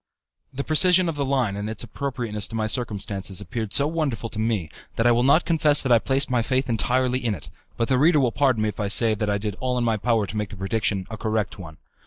The precision of the line and its appropriateness to my circumstances appeared so wonderful to me, that I will not confess that I placed my faith entirely in it; but the reader will pardon me if I say that I did all in my power to make the prediction a correct one.